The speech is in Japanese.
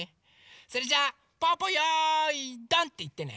それじゃあぽぅぽ「よいどん！」っていってね。